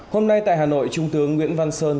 hôm nay tại hà nội trung tướng nguyễn văn sơn